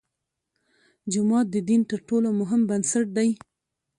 جومات د دین تر ټولو مهم بنسټ دی.